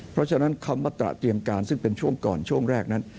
เพราะฉะนั้นคำว่าตระเตรียมการซึ่งเป็นช่วงก่อนช่วงแรกนั้น